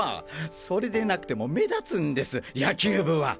それでなくても目立つんです野球部は！